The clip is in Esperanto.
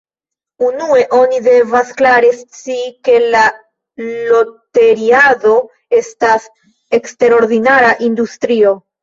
Unue, oni devas klare scii ke la loteriado estas eksterordinara industrio.